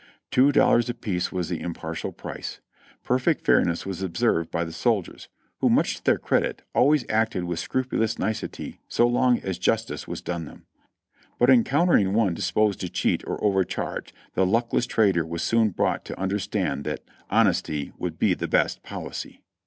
Two dollars apiece was the im partial price. Perfect fairness was observed by the soldiers, who, much to their credit, always acted with scrupulous nicety so long as justice was done them ; but encountering one disposed to cheat or overcharge, the luckless trader was soon brought to under stand that ''honesty would be the best policy."